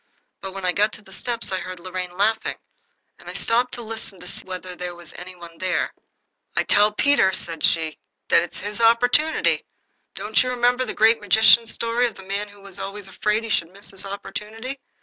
But when I got to the steps I heard Lorraine laughing, and I stopped to listen to see whether any one was there. "I tell Peter," said she, "that it's his opportunity. Don't you remember the Great Magician's story of the man who was always afraid he should miss his opportunity?